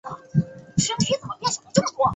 于是辽圣宗耶律隆绪将他处死。